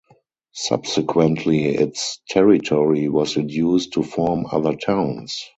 Subsequently, its territory was reduced to form other towns.